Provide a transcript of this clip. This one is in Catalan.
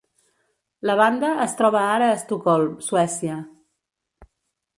La banda es troba ara a Estocolm, Suècia.